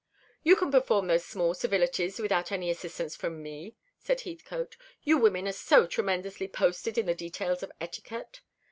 "You can perform those small civilities without any assistance from me," said Heathcote. "You women are so tremendously posted in the details of etiquette.